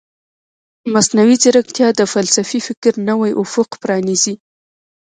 مصنوعي ځیرکتیا د فلسفي فکر نوی افق پرانیزي.